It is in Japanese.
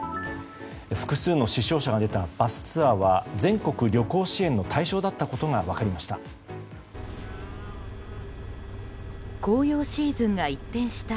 複数の死傷者が出たバスツアーは全国旅行支援の対象だったことが分かりました。